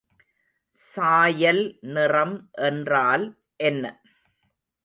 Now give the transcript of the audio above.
சாயல் நிறம் என்றால் என்ன?